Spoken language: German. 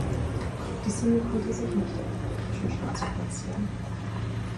Die Single konnte sich nicht in den britischen Charts platzieren.